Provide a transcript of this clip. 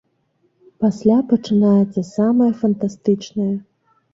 Пасля пачынаецца самае фантастычнае.